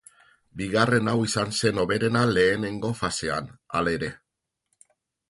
Bigarren hau izan zen hoberena lehenengo fasean, hala ere.